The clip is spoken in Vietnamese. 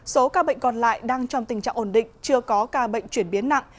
số ca bệnh còn lại đang trong tình trạng ổn định chưa có ca bệnh chuyển biến nặng